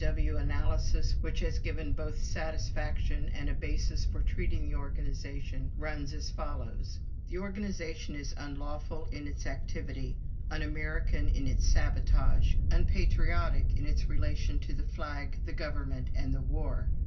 W. analysis, which has given both satisfaction and a basis for treating the organization, runs as follows: the organization is unlawful in its activity, un American in its sabotage, unpatriotic in its relation to the flag, the government, and the war.